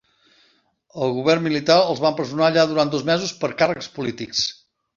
El govern militar els va empresonar allà durant dos mesos per càrrecs polítics.